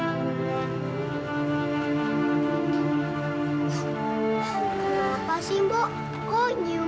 makanya dari itu bu saya mohon malam ini juga